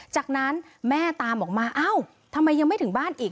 จากนั้นแม่ตามออกมาเอ้าทำไมยังไม่ถึงบ้านอีก